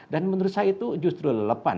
dan menurut saya itu justru lelepan